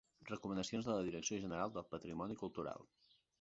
Recomanacions de la Direcció General del Patrimoni Cultural.